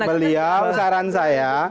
beliau saran saya